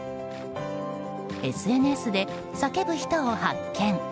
ＳＮＳで、叫ぶ人を発見。